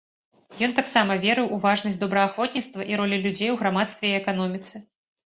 Ён таксама верыў у важнасць добраахвотніцтва і ролі людзей у грамадстве і эканоміцы.